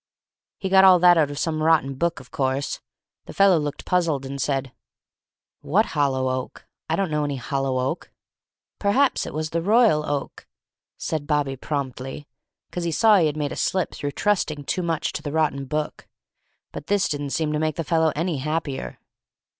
He got all that out of some rotten book, of course. The fellow looked puzzled and said, "'What hollow oak? I don't know any hollow oak.' "'Perhaps it was the Royal Oak?' said Bobby promptly, 'cos he saw he had made a slip, through trusting too much to the rotten book; but this didn't seem to make the fellow any happier."